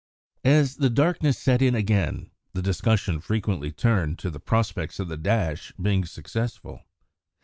As the darkness set in again, the discussion frequently turned to the prospects of the dash being successful.